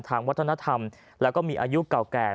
ทางวัฒนธรรมแล้วก็มีอายุเก่าแก่